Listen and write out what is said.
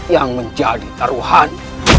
yang menjadi taruhan